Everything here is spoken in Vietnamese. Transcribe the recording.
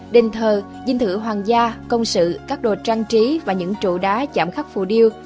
đình thờ dinh thự hoàng gia công sự các đồ trang trí và những trụ đá chạm khắc phù điêu